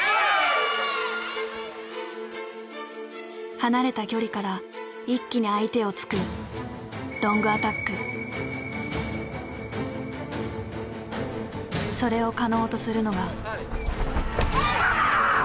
離れた距離から一気に相手を突くそれを可能とするのが。